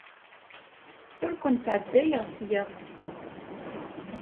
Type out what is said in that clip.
Ur ken-sɛeddayeɣ seg-a.